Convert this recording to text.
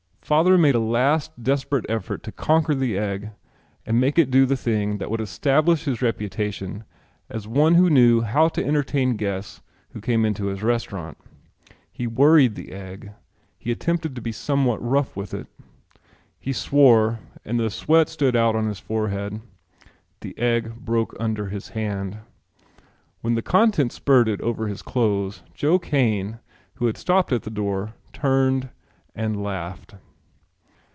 Father made a last desperate effort to conquer the egg and make it do the thing that would establish his reputation as one who knew how to entertain guests who came into his restaurant. He worried the egg. He attempted to be somewhat rough with it. He swore and the sweat stood out on his forehead. The egg broke under his hand. When the contents spurted over his clothes, Joe Kane, who had stopped at the door, turned and laughed.